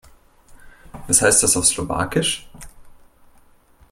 Was heißt das auf Slowakisch?